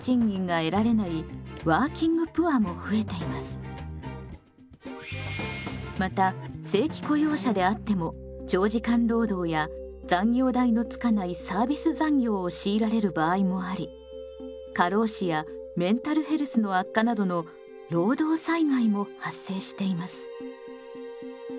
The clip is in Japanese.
賃金制度も年功序列からまた正規雇用者であっても長時間労働や残業代のつかないサービス残業を強いられる場合もあり過労死やメンタルヘルスの悪化などの労働災害も発生しています。